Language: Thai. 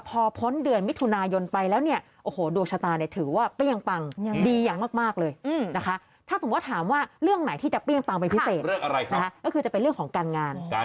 ก็คือจะเป็นเรื่องของการงาน